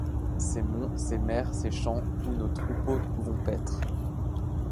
Ces monts, ces mers, ces champs où nos troupeaux vont paître